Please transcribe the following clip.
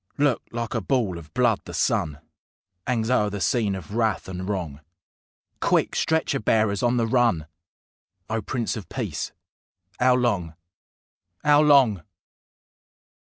Look! like a ball of blood the sun 'Angs o'er the scene of wrath and wrong. ... "Quick! Stretcher bearers on the run!" _O PRINCE OF PEACE! 'OW LONG, 'OW LONG?